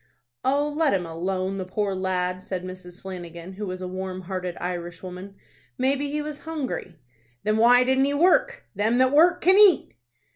"Oh, let him alone, the poor lad," said Mrs. Flanagan, who was a warm hearted Irish woman. "Maybe he was hungry." "Then why didn't he work? Them that work can eat."